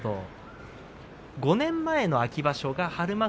５年前の秋場所日馬